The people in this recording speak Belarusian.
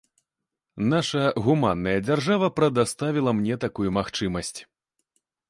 Наша гуманная дзяржава прадаставіла мне такую магчымасць.